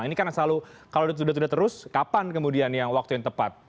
ini kan selalu kalau sudah terus kapan kemudian yang waktu yang tepat